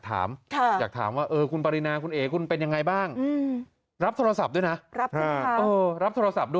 ถามค่ะอยากถามว่าเออคุณปรีนาคุณเอคุณเป็นยังไงบ้างรับ